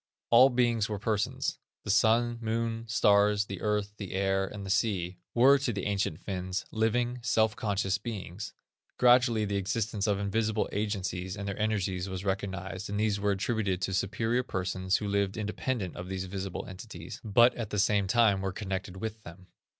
All beings were persons. The Sun, Moon, Stars, the Earth, the Air, and the Sea, were to the ancient Finns, living, self conscious beings. Gradually the existence of invisible agencies and energies was recognized, and these were attributed to superior persons who lived independent of these visible entities, but at the same time were connected with them.